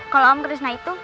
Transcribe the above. kalau om krisna itu